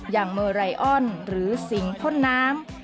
อย่างเมอร์ไลออนหรือสิงค์พ่นน้ำ